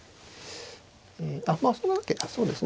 あっまあそうですね